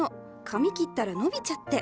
髪切ったら伸びちゃって。